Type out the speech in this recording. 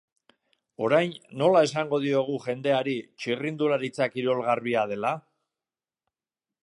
Orain, nola esango diogu jendeari txirrindularitza kirol garbia dela?